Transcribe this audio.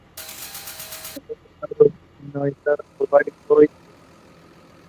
La nube está ionizada por varios O y B-estrellas de tipo.